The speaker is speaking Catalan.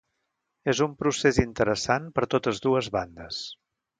És un procés interessant per totes dues bandes.